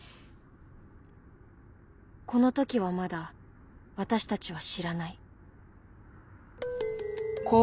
この時はまだ私たちは知らない